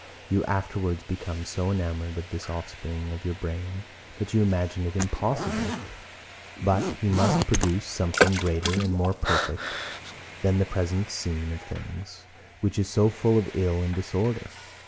You afterwards become so enamoured of this offspring of your brain, that you imagine it impossible, but he must produce something greater and more perfect than the present scene of things, which is so full of ill and disorder.